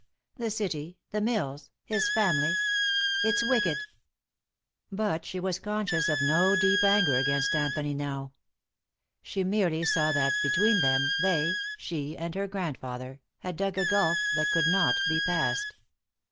The city, the mills, his family it's wicked." But she was conscious of no deep anger against Anthony now. She merely saw that between them, they, she and her grandfather, had dug a gulf that could not be passed.